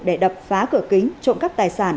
để đập phá cửa kính trộm các tài sản